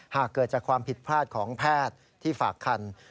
หากเกิดจากความผิดพลาดของแพทย์ที่ฝากคัน